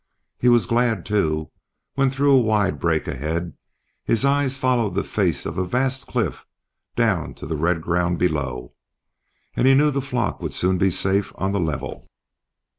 He was glad, too, when through a wide break ahead his eye followed the face of a vast cliff down to the red ground below, and he knew the flock would soon be safe on the level.